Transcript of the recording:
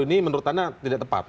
ini menurut anda tidak tepat